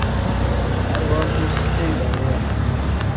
ہر وار تس ایئی بانے آ